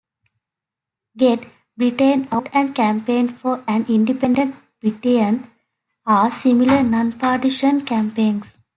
Get Britain Out and Campaign for an Independent Britain are similar non-partisan campaigns.